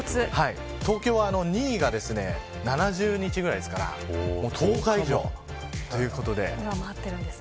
東京は２位が７０日くらいですから１０日以上ということです。